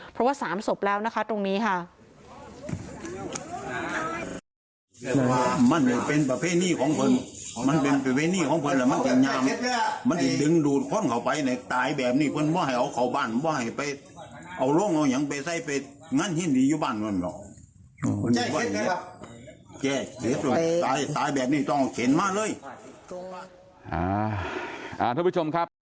เพราะว่า๓ศพแล้วนะคะตรงนี้ค่ะ